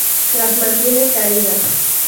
Las mantiene caídas.